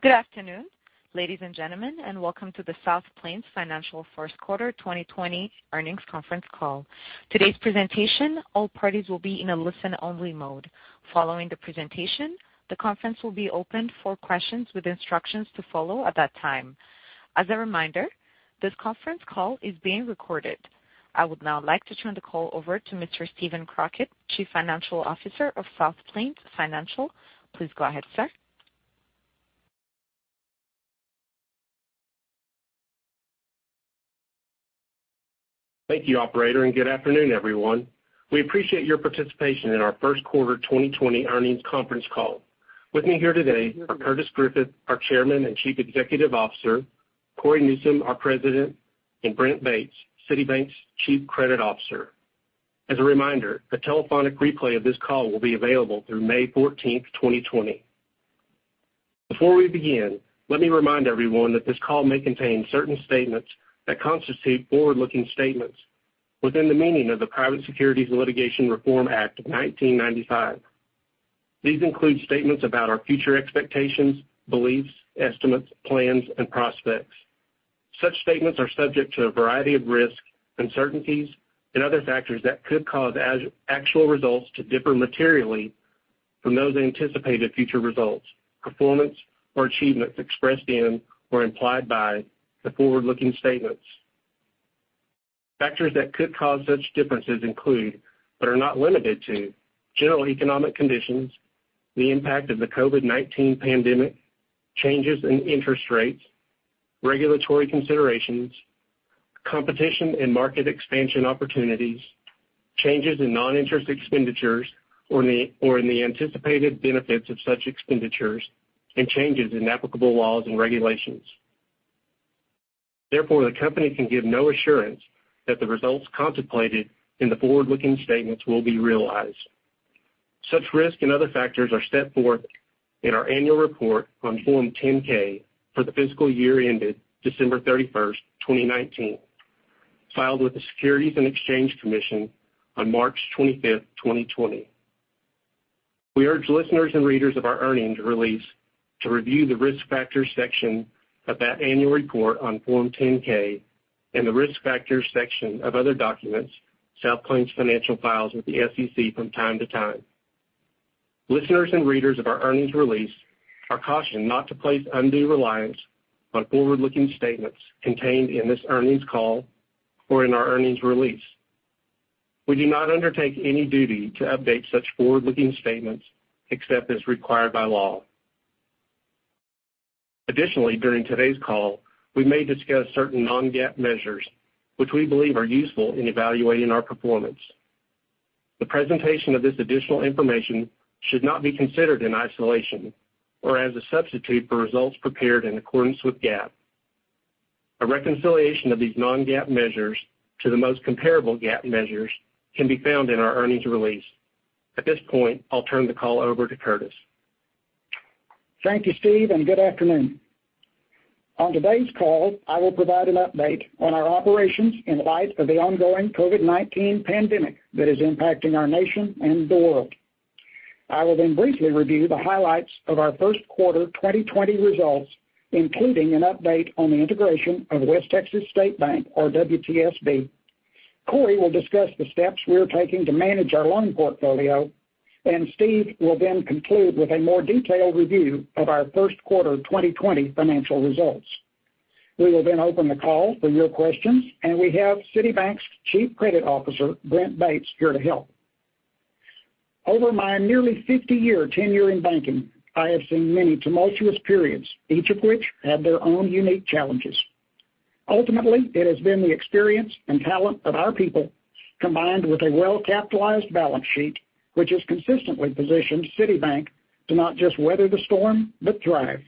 Good afternoon, ladies and gentlemen, and welcome to the South Plains Financial first quarter 2020 earnings conference call. Today's presentation, all parties will be in a listen-only mode. Following the presentation, the conference will be opened for questions with instructions to follow at that time. As a reminder, this conference call is being recorded. I would now like to turn the call over to Mr. Steven Crockett, Chief Financial Officer of South Plains Financial. Please go ahead, sir. Thank you, operator, and good afternoon, everyone. We appreciate your participation in our first quarter 2020 earnings conference call. With me here today are Curtis Griffith, our Chairman and Chief Executive Officer, Cory Newsom, our President, and Brent Bates, City Bank's Chief Credit Officer. As a reminder, a telephonic replay of this call will be available through May 14, 2020. Before we begin, let me remind everyone that this call may contain certain statements that constitute forward-looking statements within the meaning of the Private Securities Litigation Reform Act of 1995. These include statements about our future expectations, beliefs, estimates, plans, and prospects. Such statements are subject to a variety of risks, uncertainties, and other factors that could cause actual results to differ materially from those anticipated future results, performance, or achievements expressed in or implied by the forward-looking statements. Factors that could cause such differences include, but are not limited to, general economic conditions, the impact of the COVID-19 pandemic, changes in interest rates, regulatory considerations, competition and market expansion opportunities, changes in non-interest expenditures, or in the anticipated benefits of such expenditures, and changes in applicable laws and regulations. Therefore, the company can give no assurance that the results contemplated in the forward-looking statements will be realized. Such risks and other factors are set forth in our annual report on Form 10-K for the fiscal year ended December 31st, 2019, filed with the Securities and Exchange Commission on March 25th, 2020. We urge listeners and readers of our earnings release to review the Risk Factors section of that annual report on Form 10-K and the Risk Factors section of other documents South Plains Financial files with the SEC from time to time. Listeners and readers of our earnings release are cautioned not to place undue reliance on forward-looking statements contained in this earnings call or in our earnings release. We do not undertake any duty to update such forward-looking statements except as required by law. Additionally, during today's call, we may discuss certain non-GAAP measures which we believe are useful in evaluating our performance. The presentation of this additional information should not be considered in isolation or as a substitute for results prepared in accordance with GAAP. A reconciliation of these non-GAAP measures to the most comparable GAAP measures can be found in our earnings release. At this point, I'll turn the call over to Curtis. Thank you, Steve. Good afternoon. On today's call, I will provide an update on our operations in light of the ongoing COVID-19 pandemic that is impacting our nation and the world. I will briefly review the highlights of our first quarter 2020 results, including an update on the integration of West Texas State Bank, or WTSB. Cory will discuss the steps we are taking to manage our loan portfolio, and Steve will then conclude with a more detailed review of our first quarter 2020 financial results. We will open the call for your questions, and we have City Bank's Chief Credit Officer, Brent Bates, here to help. Over my nearly 50-year tenure in banking, I have seen many tumultuous periods, each of which had their own unique challenges. Ultimately, it has been the experience and talent of our people, combined with a well-capitalized balance sheet, which has consistently positioned City Bank to not just weather the storm, but thrive.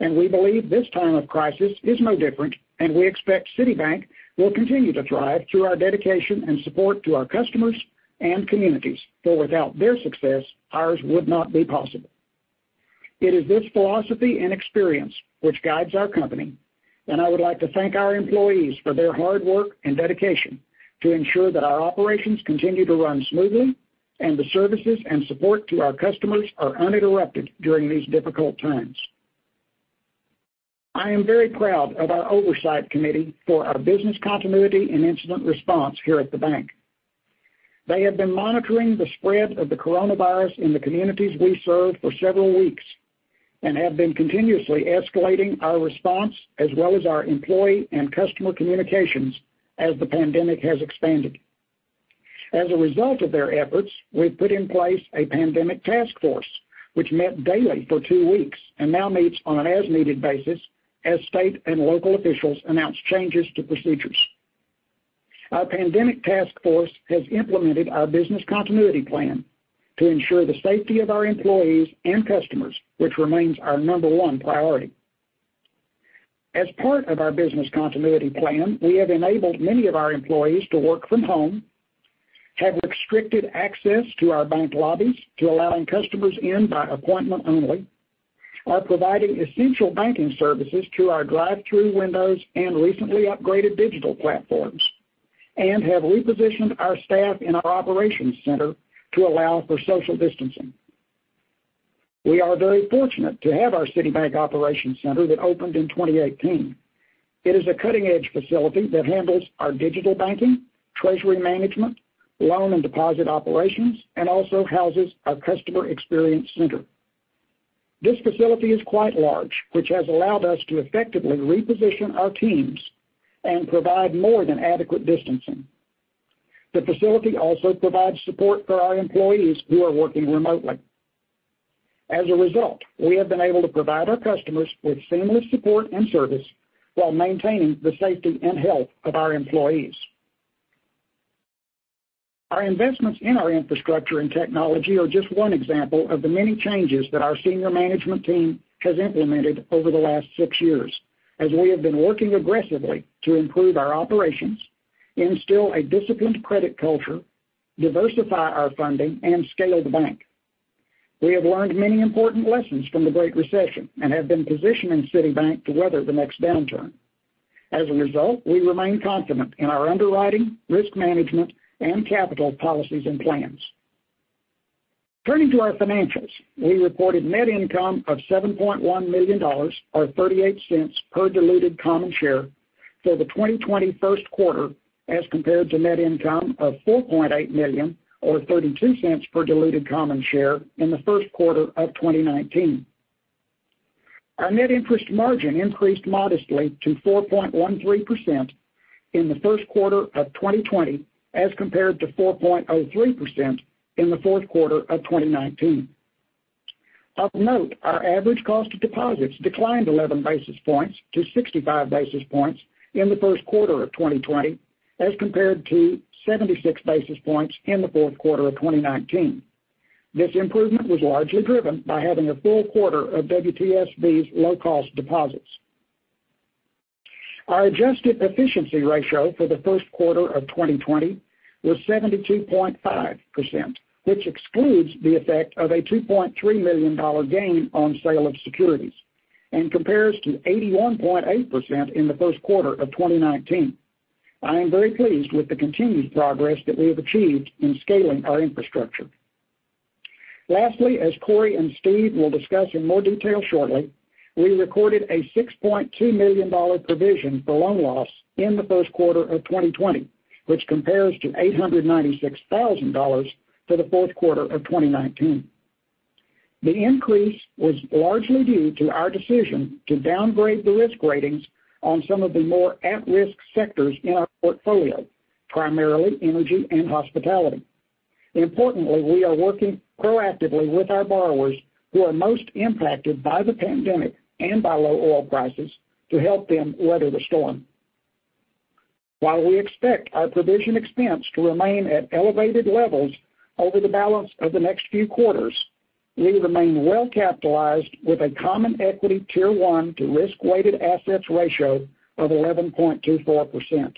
We believe this time of crisis is no different, and we expect City Bank will continue to thrive through our dedication and support to our customers and communities, for without their success, ours would not be possible. It is this philosophy and experience which guides our company, and I would like to thank our employees for their hard work and dedication to ensure that our operations continue to run smoothly and the services and support to our customers are uninterrupted during these difficult times. I am very proud of our oversight committee for our business continuity and incident response here at the bank. They have been monitoring the spread of the coronavirus in the communities we serve for several weeks and have been continuously escalating our response as well as our employee and customer communications as the pandemic has expanded. As a result of their efforts, we've put in place a pandemic task force, which met daily for two weeks and now meets on an as-needed basis as state and local officials announce changes to procedures. Our pandemic task force has implemented our business continuity plan to ensure the safety of our employees and customers, which remains our number one priority. As part of our business continuity plan, we have enabled many of our employees to work from home, have restricted access to our bank lobbies to allowing customers in by appointment only, are providing essential banking services through our drive-through windows and recently upgraded digital platforms have repositioned our staff in our operations center to allow for social distancing. We are very fortunate to have our City Bank operations center that opened in 2018. It is a cutting-edge facility that handles our digital banking, treasury management, loan and deposit operations, and also houses our customer experience center. This facility is quite large, which has allowed us to effectively reposition our teams and provide more than adequate distancing. The facility also provides support for our employees who are working remotely. As a result, we have been able to provide our customers with seamless support and service while maintaining the safety and health of our employees. Our investments in our infrastructure and technology are just one example of the many changes that our senior management team has implemented over the last six years, as we have been working aggressively to improve our operations, instill a disciplined credit culture, diversify our funding, and scale the bank. We have learned many important lessons from the Great Recession and have been positioning City Bank to weather the next downturn. As a result, we remain confident in our underwriting, risk management, and capital policies and plans. Turning to our financials, we reported net income of $7.1 million, or $0.38 per diluted common share for the 2020 first quarter, as compared to net income of $4.8 million or $0.32 per diluted common share in the first quarter of 2019. Our net interest margin increased modestly to 4.13% in the first quarter of 2020, as compared to 4.03% in the fourth quarter of 2019. Of note, our average cost of deposits declined 11 basis points to 65 basis points in the first quarter of 2020, as compared to 76 basis points in the fourth quarter of 2019. This improvement was largely driven by having a full quarter of WTSB's low-cost deposits. Our adjusted efficiency ratio for the first quarter of 2020 was 72.5%, which excludes the effect of a $2.3 million gain on sale of securities and compares to 81.8% in the first quarter of 2019. I am very pleased with the continued progress that we have achieved in scaling our infrastructure. Lastly, as Cory and Steve will discuss in more detail shortly, we recorded a $6.2 million provision for loan loss in the first quarter of 2020, which compares to $896,000 for the fourth quarter of 2019. The increase was largely due to our decision to downgrade the risk ratings on some of the more at-risk sectors in our portfolio, primarily energy and hospitality. Importantly, we are working proactively with our borrowers who are most impacted by the pandemic and by low oil prices to help them weather the storm. While we expect our provision expense to remain at elevated levels over the balance of the next few quarters, we remain well-capitalized with a Common Equity Tier 1 to risk-weighted assets ratio of 11.24%.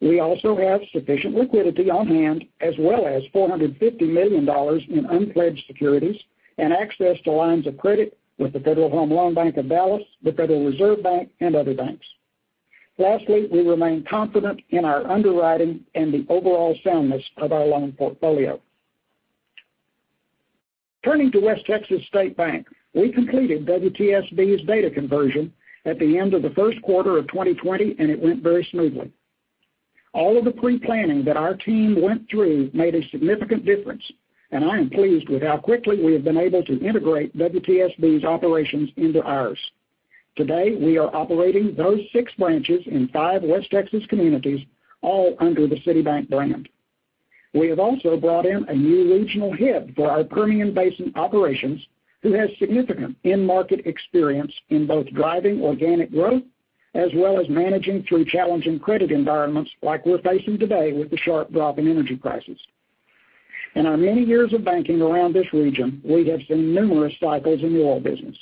We also have sufficient liquidity on hand, as well as $450 million in unpledged securities and access to lines of credit with the Federal Home Loan Bank of Dallas, the Federal Reserve Bank, and other banks. Lastly, we remain confident in our underwriting and the overall soundness of our loan portfolio. Turning to West Texas State Bank, we completed WTSB's data conversion at the end of the first quarter of 2020, and it went very smoothly. All of the pre-planning that our team went through made a significant difference, and I am pleased with how quickly we have been able to integrate WTSB's operations into ours. Today, we are operating those six branches in five West Texas communities, all under the City Bank brand. We have also brought in a new regional head for our Permian Basin operations who has significant in-market experience in both driving organic growth as well as managing through challenging credit environments like we're facing today with the sharp drop in energy prices. In our many years of banking around this region, we have seen numerous cycles in the oil business.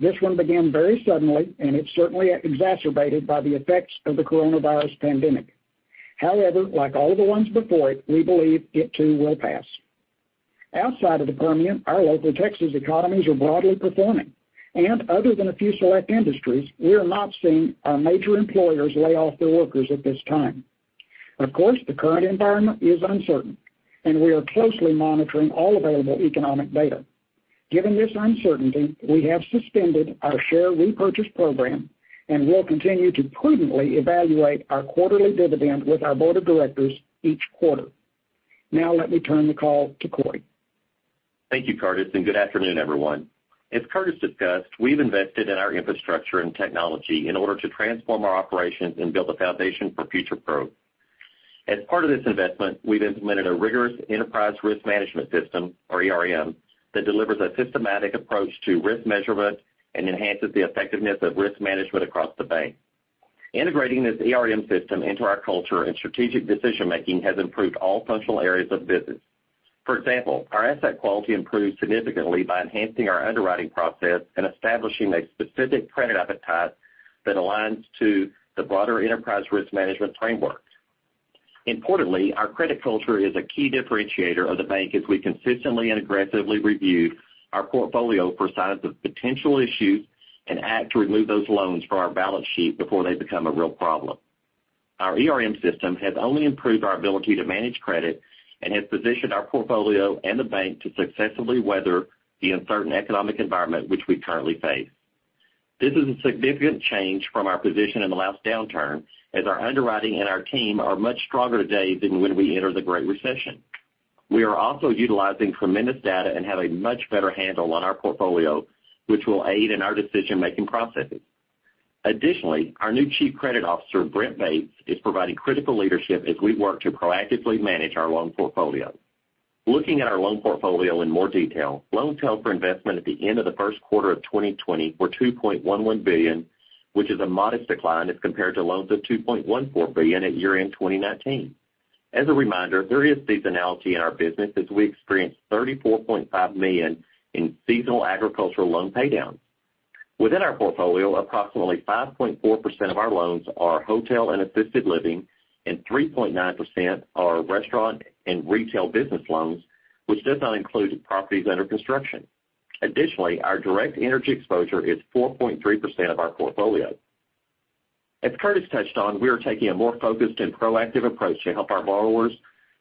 This one began very suddenly, and it's certainly exacerbated by the effects of the coronavirus pandemic. However, like all the ones before it, we believe it too will pass. Outside of the Permian, our local Texas economies are broadly performing, and other than a few select industries, we are not seeing our major employers lay off their workers at this time. Of course, the current environment is uncertain, and we are closely monitoring all available economic data. Given this uncertainty, we have suspended our share repurchase program and will continue to prudently evaluate our quarterly dividend with our board of directors each quarter. Now, let me turn the call to Cory. Thank you, Curtis. Good afternoon, everyone. As Curtis discussed, we've invested in our infrastructure and technology in order to transform our operations and build a foundation for future growth. As part of this investment, we've implemented a rigorous enterprise risk management system, or ERM, that delivers a systematic approach to risk measurement and enhances the effectiveness of risk management across the bank. Integrating this ERM system into our culture and strategic decision-making has improved all functional areas of the business. For example, our asset quality improved significantly by enhancing our underwriting process and establishing a specific credit appetite that aligns to the broader enterprise risk management framework. Importantly, our credit culture is a key differentiator of the bank as we consistently and aggressively reviewed our portfolio for signs of potential issues and act to remove those loans from our balance sheet before they become a real problem. Our ERM system has only improved our ability to manage credit, and has positioned our portfolio and the bank to successfully weather the uncertain economic environment which we currently face. This is a significant change from our position in the last downturn, as our underwriting and our team are much stronger today than when we entered the Great Recession. We are also utilizing tremendous data and have a much better handle on our portfolio, which will aid in our decision-making processes. Additionally, our new chief credit officer, Brent Bates, is providing critical leadership as we work to proactively manage our loan portfolio. Looking at our loan portfolio in more detail, loans held for investment at the end of the first quarter of 2020 were $2.11 billion, which is a modest decline as compared to loans of $2.14 billion at year-end 2019. As a reminder, there is seasonality in our business as we experienced $34.5 million in seasonal agricultural loan paydowns. Within our portfolio, approximately 5.4% of our loans are hotel and assisted living, and 3.9% are restaurant and retail business loans, which does not include properties under construction. Additionally, our direct energy exposure is 4.3% of our portfolio. As Curtis touched on, we are taking a more focused and proactive approach to help our borrowers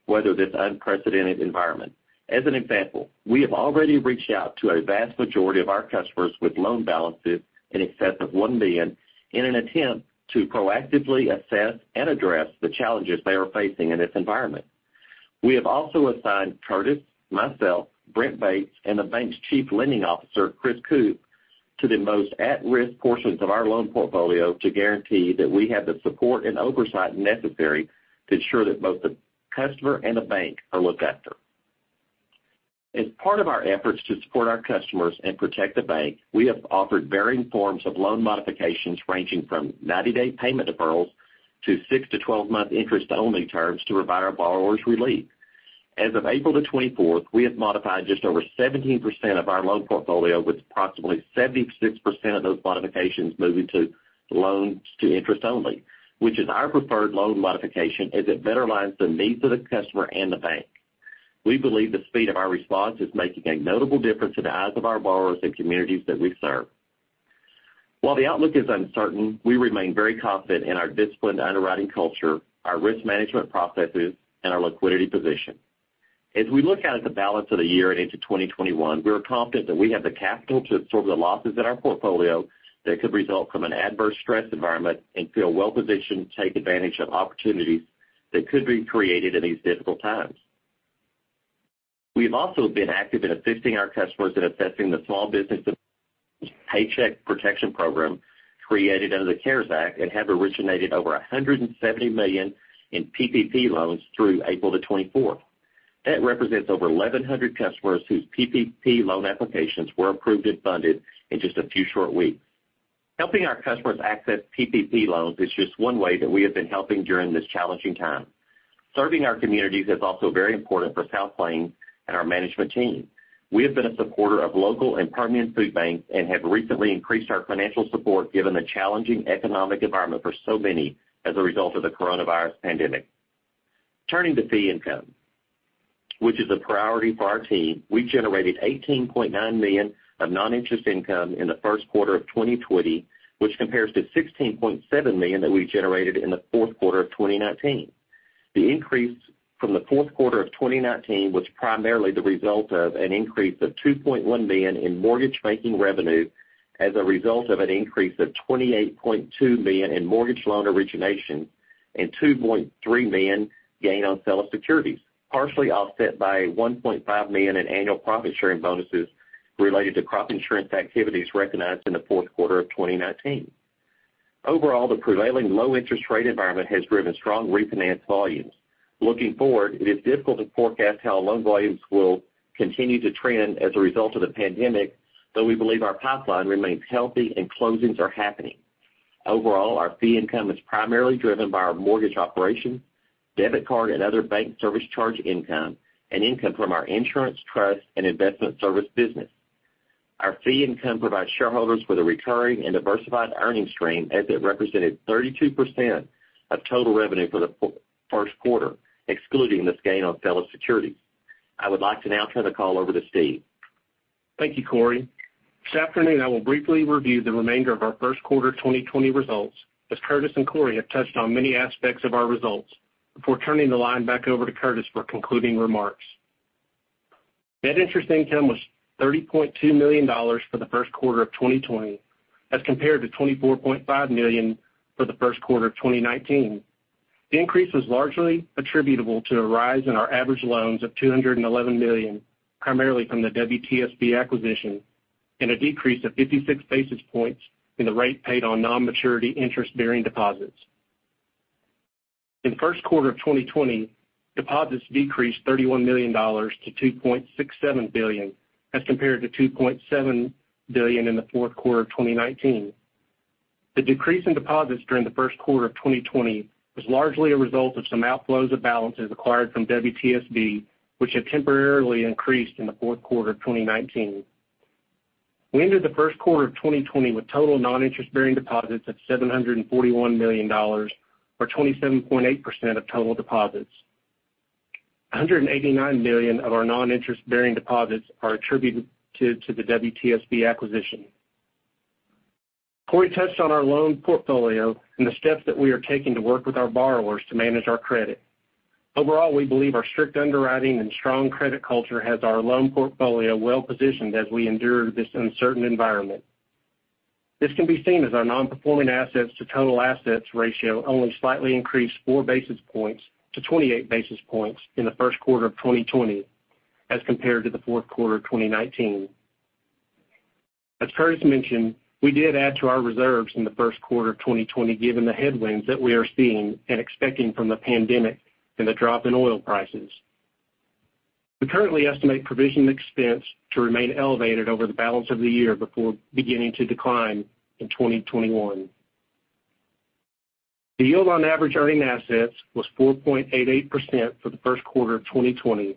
weather this unprecedented environment. As an example, we have already reached out to a vast majority of our customers with loan balances in excess of $1 million in an attempt to proactively assess and address the challenges they are facing in this environment. We have also assigned Curtis, myself, Brent Bates, and the bank's Chief Lending Officer, Chris Koop, to the most at-risk portions of our loan portfolio to guarantee that we have the support and oversight necessary to ensure that both the customer and the bank are looked after. As part of our efforts to support our customers and protect the bank, we have offered varying forms of loan modifications ranging from 90-day payment deferrals to six to 12-month interest-only terms to provide our borrowers relief. As of April the 24th, we have modified just over 17% of our loan portfolio, with approximately 76% of those modifications moving to loans to interest only, which is our preferred loan modification as it better aligns the needs of the customer and the bank. We believe the speed of our response is making a notable difference in the eyes of our borrowers and communities that we serve. While the outlook is uncertain, we remain very confident in our disciplined underwriting culture, our risk management processes, and our liquidity position. As we look out at the balance of the year and into 2021, we are confident that we have the capital to absorb the losses in our portfolio that could result from an adverse stress environment and feel well-positioned to take advantage of opportunities that could be created in these difficult times. We have also been active in assisting our customers in accessing the small business Paycheck Protection Program created under the CARES Act and have originated over $170 million in PPP loans through April the 24th. That represents over 1,100 customers whose PPP loan applications were approved and funded in just a few short weeks. Helping our customers access PPP loans is just one way that we have been helping during this challenging time. Serving our communities is also very important for South Plains and our management team. We have been a supporter of local and permian food banks and have recently increased our financial support given the challenging economic environment for so many as a result of the coronavirus pandemic. Turning to fee income, which is a priority for our team, we generated $18.9 million of non-interest income in the first quarter of 2020, which compares to $16.7 million that we generated in the fourth quarter of 2019. The increase from the fourth quarter of 2019 was primarily the result of an increase of $2.1 million in mortgage banking revenue as a result of an increase of $28.2 million in mortgage loan originations and $2.3 million gain on sale of securities, partially offset by $1.5 million in annual profit-sharing bonuses related to crop insurance activities recognized in the fourth quarter of 2019. Overall, the prevailing low interest rate environment has driven strong refinance volumes. Looking forward, it is difficult to forecast how loan volumes will continue to trend as a result of the pandemic, though we believe our pipeline remains healthy and closings are happening. Overall, our fee income is primarily driven by our mortgage operation, debit card, and other bank service charge income, and income from our insurance, trust, and investment service business. Our fee income provides shareholders with a recurring and diversified earnings stream as it represented 32% of total revenue for the first quarter, excluding this gain on sale of securities. I would like to now turn the call over to Steve. Thank you, Cory. This afternoon, I will briefly review the remainder of our first quarter 2020 results, as Curtis and Cory have touched on many aspects of our results, before turning the line back over to Curtis for concluding remarks. Net interest income was $30.2 million for the first quarter of 2020 as compared to $24.5 million for the first quarter of 2019. The increase was largely attributable to a rise in our average loans of $211 million, primarily from the WTSB acquisition, and a decrease of 56 basis points in the rate paid on non-maturity interest-bearing deposits. In first quarter of 2020, deposits decreased $31 million to $2.67 billion as compared to $2.7 billion in the fourth quarter of 2019. The decrease in deposits during the first quarter of 2020 was largely a result of some outflows of balances acquired from WTSB, which had temporarily increased in the fourth quarter of 2019. We ended the first quarter of 2020 with total non-interest-bearing deposits of $741 million, or 27.8% of total deposits. $189 million of our non-interest-bearing deposits are attributed to the WTSB acquisition. Cory touched on our loan portfolio and the steps that we are taking to work with our borrowers to manage our credit. Overall, we believe our strict underwriting and strong credit culture has our loan portfolio well-positioned as we endure this uncertain environment. This can be seen as our non-performing assets to total assets ratio only slightly increased four basis points to 28 basis points in the first quarter of 2020 as compared to the fourth quarter of 2019. Curtis mentioned, we did add to our reserves in the first quarter of 2020 given the headwinds that we are seeing and expecting from the pandemic and the drop in oil prices. We currently estimate provision expense to remain elevated over the balance of the year before beginning to decline in 2021. The yield on average earning assets was 4.88% for the first quarter of 2020,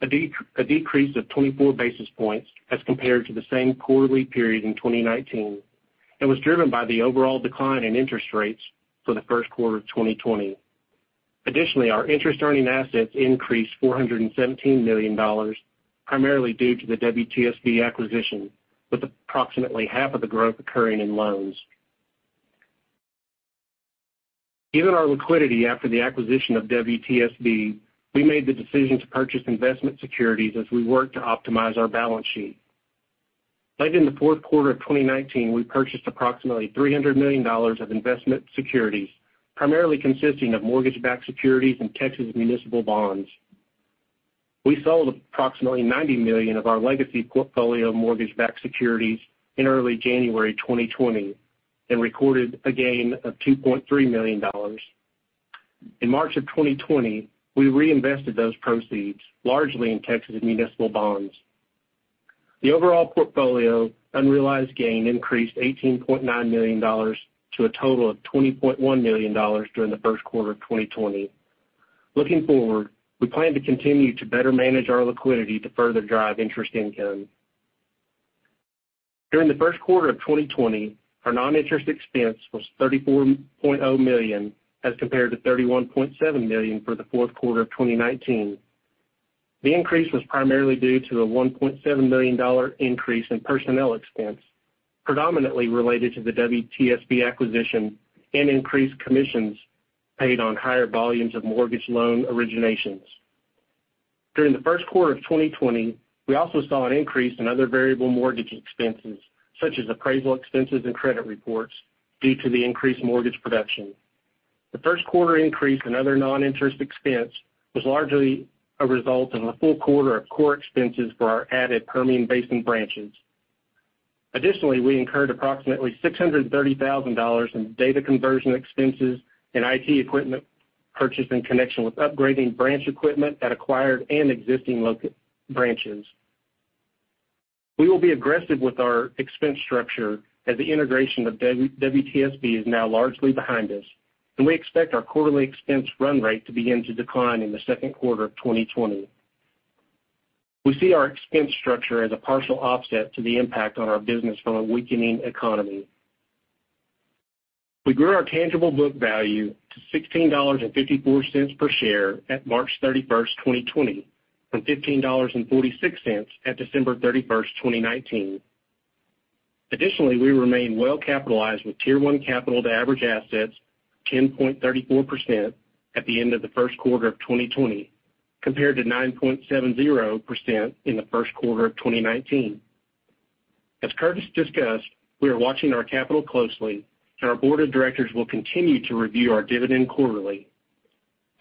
a decrease of 24 basis points as compared to the same quarterly period in 2019, and was driven by the overall decline in interest rates for the first quarter of 2020. Additionally, our interest-earning assets increased $417 million, primarily due to the WTSB acquisition, with approximately half of the growth occurring in loans. Given our liquidity after the acquisition of WTSB, we made the decision to purchase investment securities as we work to optimize our balance sheet. Late in the fourth quarter of 2019, we purchased approximately $300 million of investment securities, primarily consisting of mortgage-backed securities and Texas municipal bonds. We sold approximately $90 million of our legacy portfolio mortgage-backed securities in early January 2020 and recorded a gain of $2.3 million. In March of 2020, we reinvested those proceeds largely in Texas municipal bonds. The overall portfolio unrealized gain increased $18.9 million to a total of $20.1 million during the first quarter of 2020. Looking forward, we plan to continue to better manage our liquidity to further drive interest income. During the first quarter of 2020, our non-interest expense was $34.0 million as compared to $31.7 million for the fourth quarter of 2019. The increase was primarily due to a $1.7 million increase in personnel expense, predominantly related to the WTSB acquisition and increased commissions paid on higher volumes of mortgage loan originations. During the first quarter of 2020, we also saw an increase in other variable mortgage expenses, such as appraisal expenses and credit reports, due to the increased mortgage production. The first quarter increase in other non-interest expense was largely a result of a full quarter of core expenses for our added Permian Basin branches. Additionally, we incurred approximately $630,000 in data conversion expenses and IT equipment purchase in connection with upgrading branch equipment at acquired and existing branches. We will be aggressive with our expense structure as the integration of WTSB is now largely behind us, and we expect our quarterly expense run rate to begin to decline in the second quarter of 2020. We see our expense structure as a partial offset to the impact on our business from a weakening economy. We grew our tangible book value to $16.54 per share at March 31st, 2020, from $15.46 at December 31st, 2019. Additionally, we remain well capitalized with Tier 1 capital to average assets 10.34% at the end of the first quarter of 2020, compared to 9.70% in the first quarter of 2019. As Curtis discussed, we are watching our capital closely, and our board of directors will continue to review our dividend quarterly.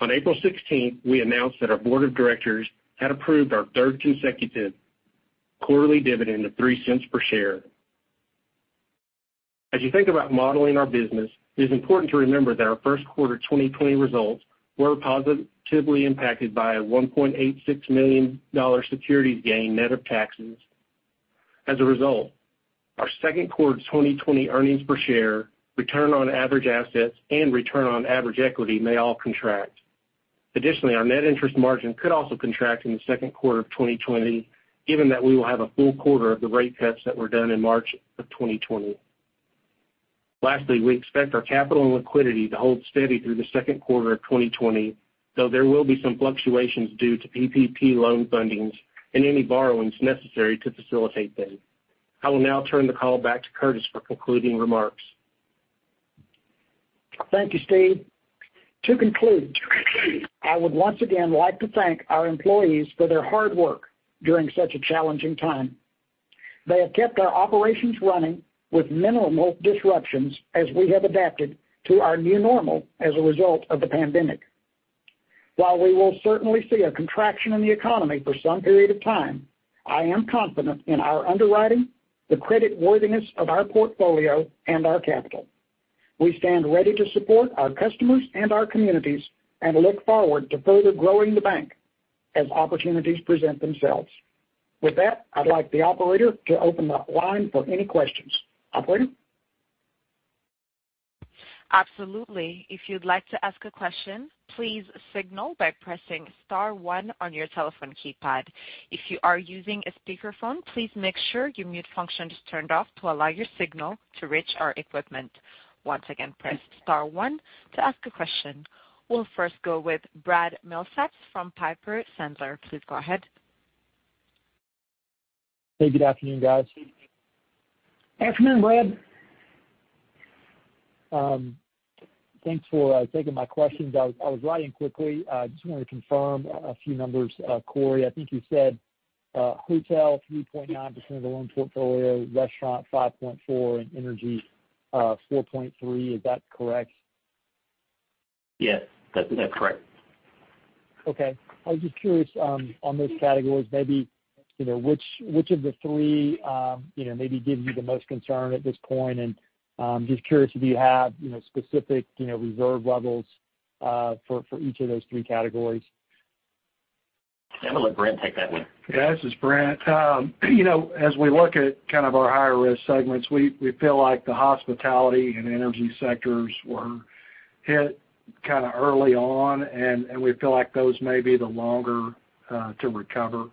On April 16th, we announced that our board of directors had approved our third consecutive quarterly dividend of three cents per share. As you think about modeling our business, it is important to remember that our first quarter 2020 results were positively impacted by a $1.86 million securities gain net of taxes. As a result, our second quarter 2020 earnings per share, return on average assets, and return on average equity may all contract. Additionally, our net interest margin could also contract in the second quarter of 2020, given that we will have a full quarter of the rate cuts that were done in March of 2020. Lastly, we expect our capital and liquidity to hold steady through the second quarter of 2020, though there will be some fluctuations due to PPP loan fundings and any borrowings necessary to facilitate those. I will now turn the call back to Curtis for concluding remarks. Thank you, Steve. To conclude, I would once again like to thank our employees for their hard work during such a challenging time. They have kept our operations running with minimal disruptions as we have adapted to our new normal as a result of the pandemic. While we will certainly see a contraction in the economy for some period of time, I am confident in our underwriting, the creditworthiness of our portfolio, and our capital. We stand ready to support our customers and our communities, and look forward to further growing the bank as opportunities present themselves. With that, I'd like the operator to open the line for any questions. Operator? Absolutely. If you'd like to ask a question, please signal by pressing star one on your telephone keypad. If you are using a speakerphone, please make sure your mute function is turned off to allow your signal to reach our equipment. Once again, press star one to ask a question. We'll first go with Brad Milsaps from Piper Sandler. Please go ahead. Hey, good afternoon, guys. Afternoon, Brad. Thanks for taking my questions. I was writing quickly. I just wanted to confirm a few numbers. Cory, I think you said hotel, 3.9% of the loan portfolio, restaurant 5.4%, and energy, 4.3%, is that correct? Yes. That's correct. Okay. I was just curious on those categories, maybe which of the three maybe gives you the most concern at this point, and just curious if you have specific reserve levels for each of those three categories? I'm going to let Brent take that one. Yeah, this is Brent. As we look at kind of our higher risk segments, we feel like the hospitality and energy sectors were hit kind of early on, and we feel like those may be the longer to recover.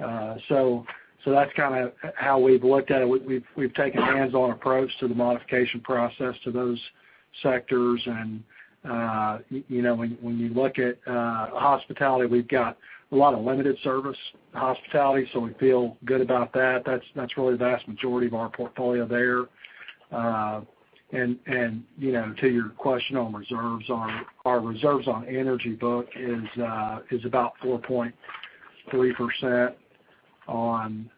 That's kind of how we've looked at it. We've taken a hands-on approach to the modification process to those sectors. When you look at hospitality, we've got a lot of limited service hospitality, so we feel good about that. That's really the vast majority of our portfolio there. To your question on reserves, our reserves on energy book is about 4.3%. On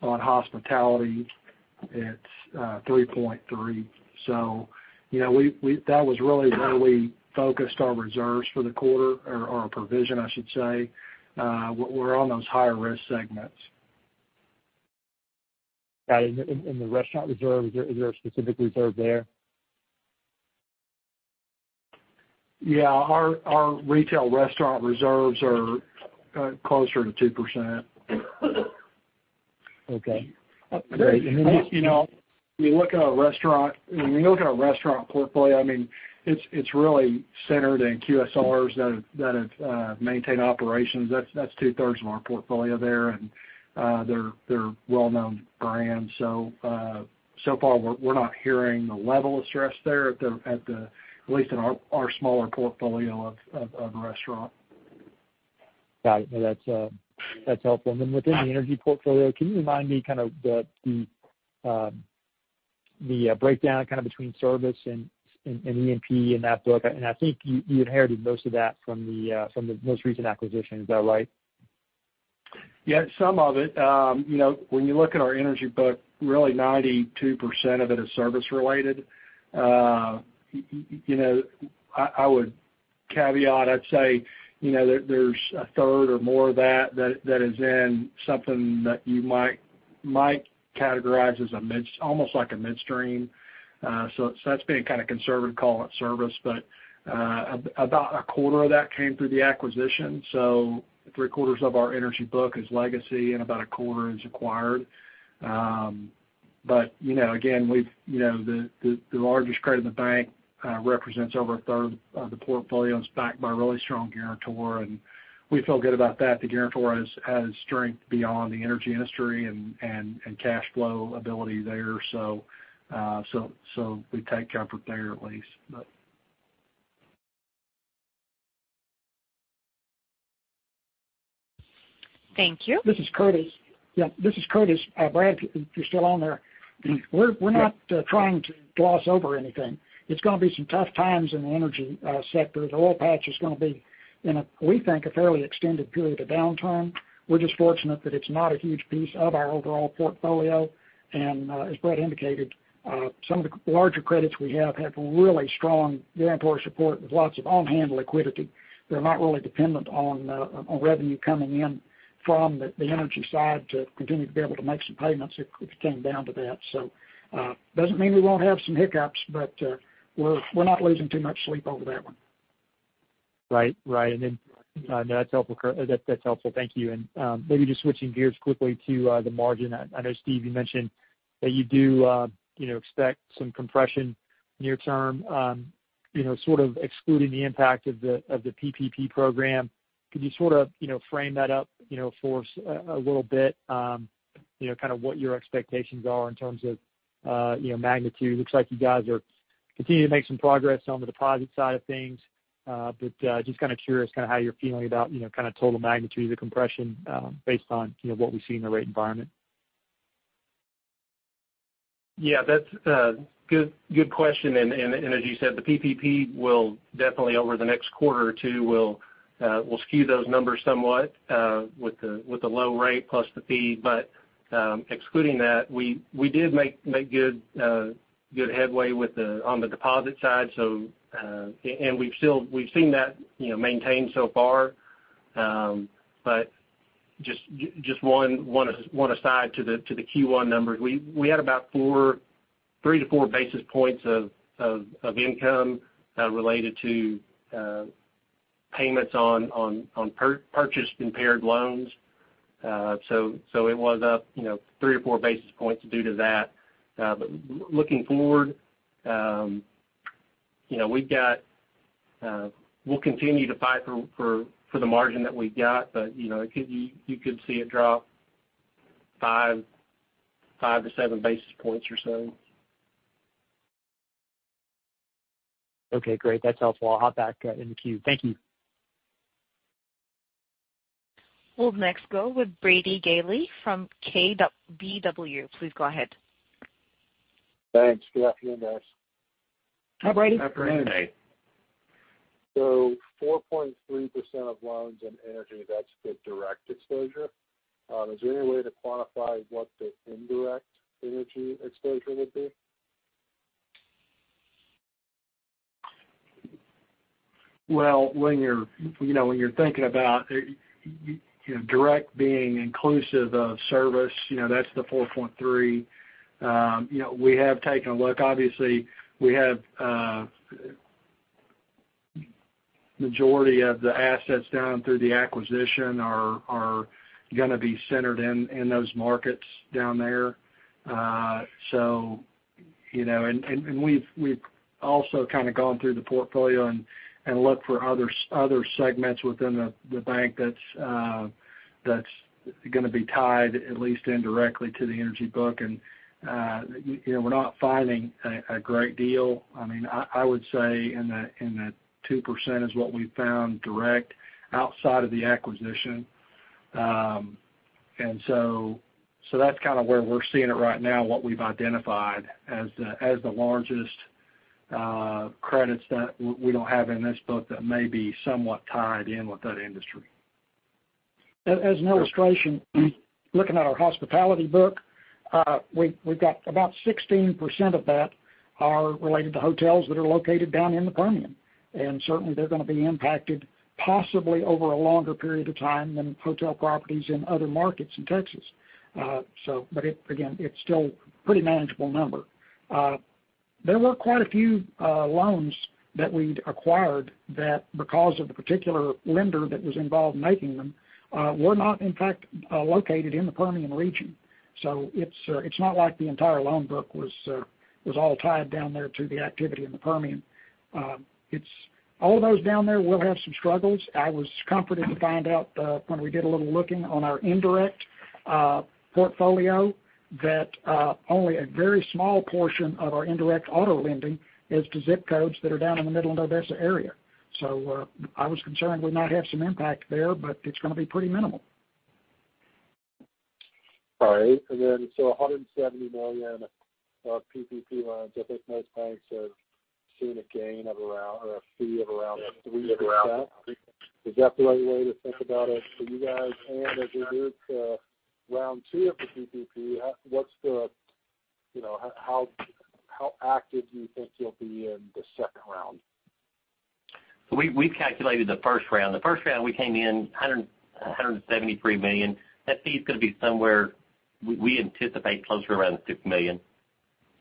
hospitality, it's 3.3. That was really where we focused our reserves for the quarter, or our provision, I should say were on those higher risk segments. Got it. In the restaurant reserves, is there a specific reserve there? Yeah. Our retail restaurant reserves are closer to 2%. Okay. Great. When you look at our restaurant portfolio, it's really centered in QSRs that have maintained operations. That's two-thirds of our portfolio there, and they're well-known brands. So far we're not hearing the level of stress there, at least in our smaller portfolio of restaurant. Got it. That's helpful. Within the energy portfolio, can you remind me kind of the breakdown kind of between service and E&P in that book? I think you inherited most of that from the most recent acquisition. Is that right? Yeah, some of it. When you look at our energy book, really 92% of it is service related. I would caveat, I'd say there's a third or more of that that is in something that you might categorize as almost like a midstream. That's being kind of conservative call it service. About a quarter of that came through the acquisition. Three-quarters of our energy book is legacy and about a quarter is acquired. Again, the largest credit in the bank represents over a third of the portfolio and is backed by a really strong guarantor, and we feel good about that. The guarantor has strength beyond the energy industry and cash flow ability there. We take comfort there at least. Thank you. This is Curtis. Brad, if you're still on there. We're not trying to gloss over anything. It's going to be some tough times in the energy sector. The oil patch is going to be in, we think, a fairly extended period of downturn. We're just fortunate that it's not a huge piece of our overall portfolio. As Brad indicated, some of the larger credits we have have really strong guarantor support with lots of on-hand liquidity. They're not really dependent on revenue coming in from the energy side to continue to be able to make some payments if it came down to that. Doesn't mean we won't have some hiccups, but we're not losing too much sleep over that one. Right. That's helpful. Thank you. Maybe just switching gears quickly to the margin. I know, Steve, you mentioned that you do expect some compression near term sort of excluding the impact of the PPP program. Could you sort of frame that up for us a little bit, kind of what your expectations are in terms of magnitude? Looks like you guys are continuing to make some progress on the deposit side of things. Just kind of curious kind of how you're feeling about kind of total magnitude of the compression based on what we see in the rate environment. Yeah, that's a good question. As you said, the PPP will definitely over the next quarter or two will skew those numbers somewhat with the low rate plus the fee. Excluding that, we did make good headway on the deposit side. We've seen that maintained so far. Just one aside to the Q1 numbers. We had about three to four basis points of income related to Payments on purchased impaired loans. It was up three or four basis points due to that. Looking forward, we'll continue to fight for the margin that we've got. You could see it drop five to seven basis points or so. Okay, great. That's helpful. I'll hop back in the queue. Thank you. We'll next go with Brady Gailey from KBW. Please go ahead. Thanks. Good afternoon, guys. Hi, Brady. Afternoon. 4.3% of loans in energy, that's the direct exposure. Is there any way to quantify what the indirect energy exposure would be? Well, when you're thinking about direct being inclusive of service, that's the 4.3%. We have taken a look. Obviously, we have majority of the assets down through the acquisition are going to be centered in those markets down there. we've also kind of gone through the portfolio and looked for other segments within the bank that's going to be tied at least indirectly to the energy book. we're not finding a great deal. I would say in the 2% is what we found direct outside of the acquisition. that's kind of where we're seeing it right now, what we've identified as the largest credits that we don't have in this book that may be somewhat tied in with that industry. As an illustration, looking at our hospitality book, we've got about 16% of that are related to hotels that are located down in the Permian. Certainly, they're going to be impacted possibly over a longer period of time than hotel properties in other markets in Texas. Again, it's still a pretty manageable number. There were quite a few loans that we'd acquired that because of the particular lender that was involved in making them, were not in fact located in the Permian region. It's not like the entire loan book was all tied down there to the activity in the Permian. All those down there will have some struggles. I was comforted to find out when we did a little looking on our indirect portfolio, that only a very small portion of our indirect auto lending is to zip codes that are down in the Midland-Odessa area. I was concerned we might have some impact there, but it's going to be pretty minimal. All right. $170 million of PPP loans. I think most banks have seen a gain or a fee of around 3%. Is that the right way to think about it for you guys? As we move to round two of the PPP, how active do you think you'll be in the second round? We've calculated the first round. The first round, we came in $173 million. That fee is going to be somewhere, we anticipate closer around the $6 million.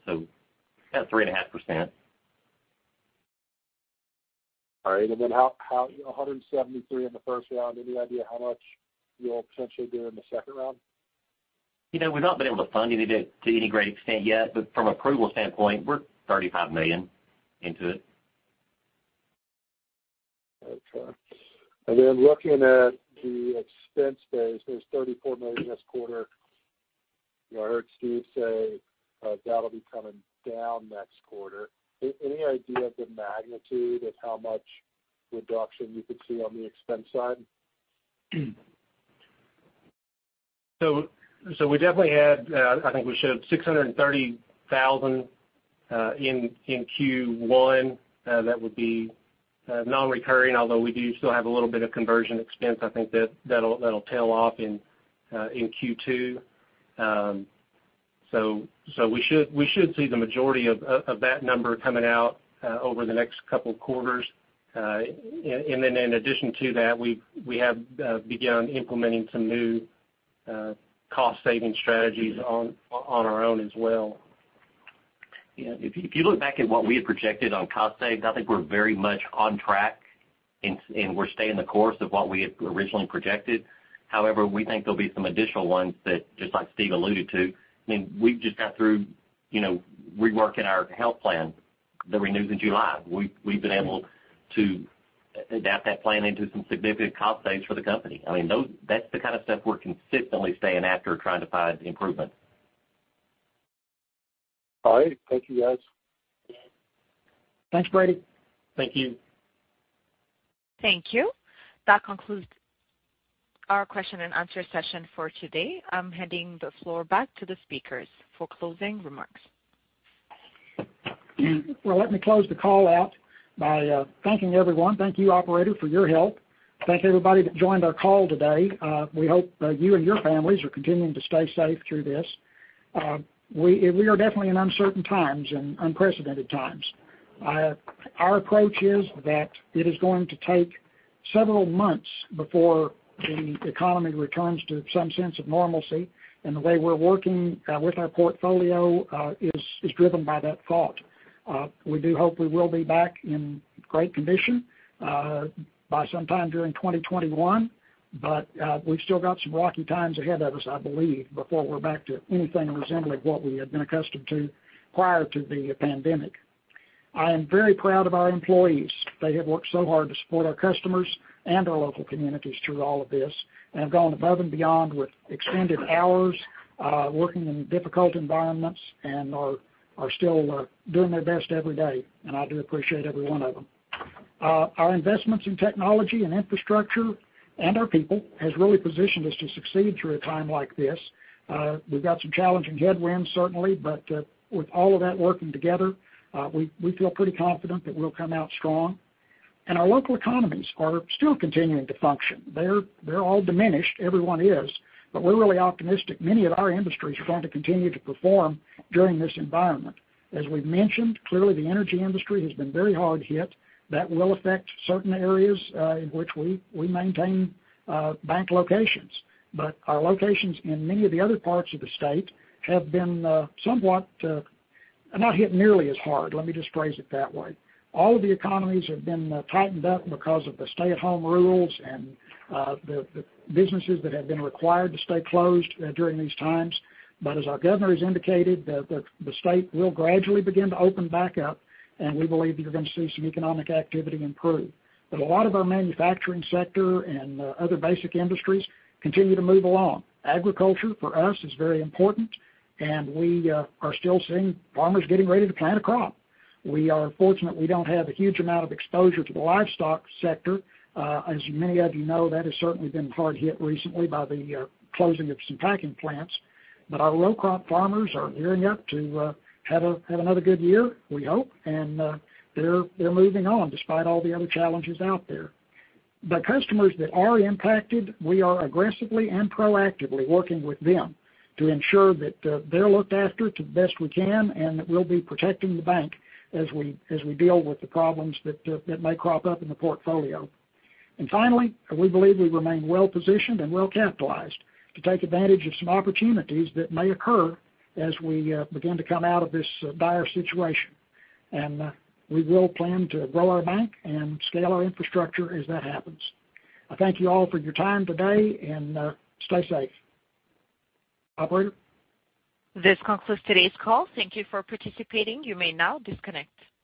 About 3.5%. All right. $173 million in the first round. Any idea how much you'll potentially do in the second round? We've not been able to fund any of it to any great extent yet, but from approval standpoint, we're $35 million into it. Okay. looking at the expense base, there's $34 million this quarter. I heard Steve say that'll be coming down next quarter. Any idea of the magnitude of how much reduction we could see on the expense side? we definitely had, I think we showed $630,000 in Q1. That would be non-recurring, although we do still have a little bit of conversion expense. I think that'll tail off in Q2. we should see the majority of that number coming out over the next couple quarters. in addition to that, we have begun implementing some new cost-saving strategies on our own as well. Yeah. If you look back at what we had projected on cost saves, I think we're very much on track and we're staying the course of what we had originally projected. However, we think there'll be some additional ones that, just like Steve alluded to, we've just got through reworking our health plan that renews in July. We've been able to adapt that plan into some significant cost saves for the company. That's the kind of stuff we're consistently staying after, trying to find improvement. All right. Thank you, guys. Thanks, Brady. Thank you. Thank you. That concludes our question and answer session for today. I'm handing the floor back to the speakers for closing remarks. Well, let me close the call out by thanking everyone. Thank you, operator, for your help. Thank you, everybody, that joined our call today. We hope you and your families are continuing to stay safe through this. We are definitely in uncertain times and unprecedented times. Our approach is that it is going to take several months before the economy returns to some sense of normalcy, and the way we're working with our portfolio is driven by that thought. We do hope we will be back in great condition by sometime during 2021, but we've still got some rocky times ahead of us, I believe, before we're back to anything resembling what we had been accustomed to prior to the pandemic. I am very proud of our employees. They have worked so hard to support our customers and our local communities through all of this, and have gone above and beyond with extended hours, working in difficult environments, and are still doing their best every day, and I do appreciate every one of them. Our investments in technology and infrastructure and our people has really positioned us to succeed through a time like this. We've got some challenging headwinds, certainly, but with all of that working together, we feel pretty confident that we'll come out strong. Our local economies are still continuing to function. They're all diminished. Everyone is. We're really optimistic many of our industries are going to continue to perform during this environment. As we've mentioned, clearly the energy industry has been very hard hit. That will affect certain areas in which we maintain bank locations. Our locations in many of the other parts of the state have been somewhat, not hit nearly as hard, let me just phrase it that way. All of the economies have been tightened up because of the stay-at-home rules and the businesses that have been required to stay closed during these times. As our governor has indicated, the state will gradually begin to open back up, and we believe you're going to see some economic activity improve. A lot of our manufacturing sector and other basic industries continue to move along. Agriculture, for us, is very important, and we are still seeing farmers getting ready to plant a crop. We are fortunate we don't have a huge amount of exposure to the livestock sector. As many of you know, that has certainly been hard hit recently by the closing of some packing plants. Our row crop farmers are gearing up to have another good year, we hope, and they're moving on despite all the other challenges out there. The customers that are impacted, we are aggressively and proactively working with them to ensure that they're looked after to the best we can and that we'll be protecting the bank as we deal with the problems that may crop up in the portfolio. Finally, we believe we remain well-positioned and well-capitalized to take advantage of some opportunities that may occur as we begin to come out of this dire situation. We will plan to grow our bank and scale our infrastructure as that happens. I thank you all for your time today, and stay safe. Operator? This concludes today's call. Thank you for participating. You may now disconnect.